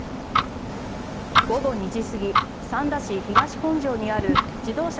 午後２時過ぎ三田市東本庄にある自動車